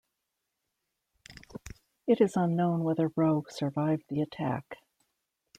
It is unknown whether Rowe survived the attack.